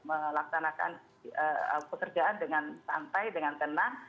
melaksanakan pekerjaan dengan santai dengan tenang